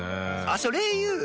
あっそれ言う！？